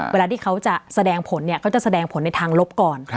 เวลาที่เขาจะแสดงผลเนี่ยก็จะแสดงผลในทางลบก่อน